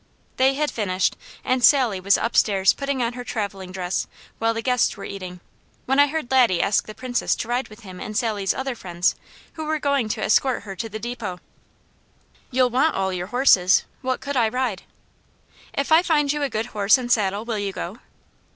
They had finished, and Sally was upstairs putting on her travelling dress, while the guests were eating, when I heard Laddie ask the Princess to ride with him and Sally's other friends, who were going to escort her to the depot. "You'll want all your horses. What could I ride?" "If I find you a good horse and saddle will you go?"